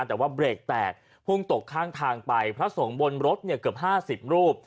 แต่ว่าเบรกแตกพุ่งตกข้างทางไปพระสงฆ์บนรถเนี่ยเกือบ๕๐รูป